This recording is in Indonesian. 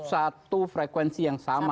satu frekuensi yang sama